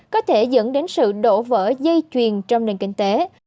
có thể dẫn đến sự đổ vỡ dây chuyền trong nền kinh tế